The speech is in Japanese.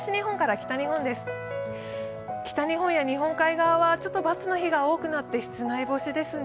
北日本や日本海側は×の日が多くなって室内干しですね。